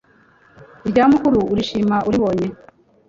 irya mukuru urishima uribonye